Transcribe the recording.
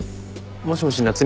もしもし夏海。